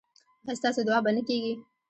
ایا ستاسو دعا به نه کیږي؟